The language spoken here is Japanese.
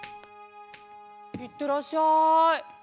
いってらっしゃい。